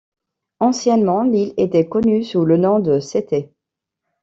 Anciennement, l'île était connue sous le nom de Setet.